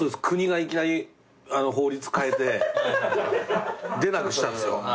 国がいきなり法律変えて出なくしたんすよ。